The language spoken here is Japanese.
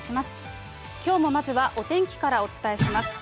きょうもまずはお天気からお伝えします。